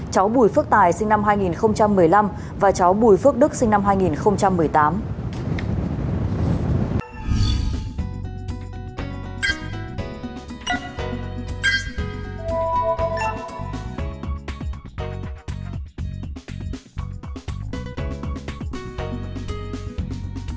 cháu bùi phước tài sinh năm hai nghìn một mươi năm và cháu bùi phước đức sinh năm hai nghìn một mươi tám